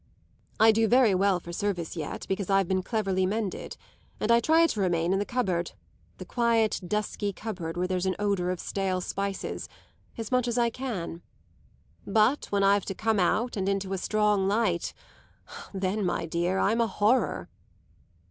I do very well for service yet, because I've been cleverly mended; and I try to remain in the cupboard the quiet, dusky cupboard where there's an odour of stale spices as much as I can. But when I've to come out and into a strong light then, my dear, I'm a horror!"